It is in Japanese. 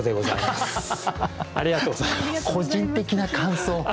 個人的な感想。